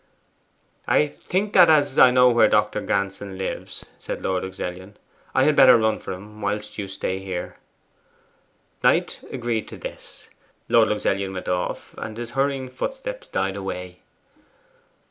'I think that as I know where Doctor Granson lives,' said Lord Luxellian, 'I had better run for him whilst you stay here.' Knight agreed to this. Lord Luxellian then went off, and his hurrying footsteps died away.